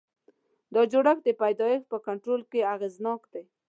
دا جوړښت د پیدایښت په کنټرول کې اغېزناک دی.